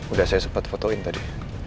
udah saya sempet photo in tadi